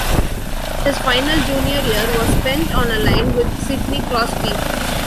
His final junior year was spent on a line with Sidney Crosby.